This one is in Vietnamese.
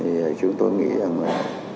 thì chúng tôi nghĩ rằng là